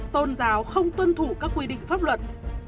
tôn giáo không tuân thủ các quy định pháp luật